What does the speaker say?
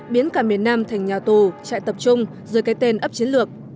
biến cả miền nam thành nhà tù chạy tập trung dưới cái tên ấp chiến lược